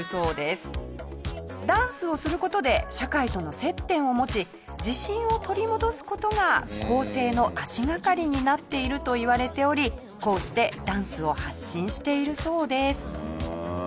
ダンスをする事で社会との接点を持ち自信を取り戻す事が更生の足がかりになっているといわれておりこうしてダンスを発信しているそうです。